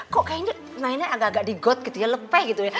kok kayaknya mainnya agak agak di got gitu ya